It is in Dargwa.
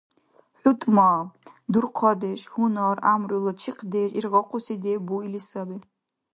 ХутӀма — дурхъадеш, гьунар, гӀямрула чихъдеш иргъахъуси дев буили саби.